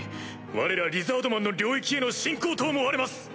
われらリザードマンの領域への侵攻と思われます！